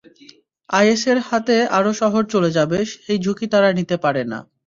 আইএসের হাতে আরও শহর চলে যাবে, সেই ঝুঁকি তারা নিতে পারে না।